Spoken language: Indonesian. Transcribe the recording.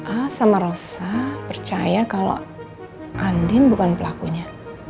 ah sama rosa percaya kalau andin bukan pelakunya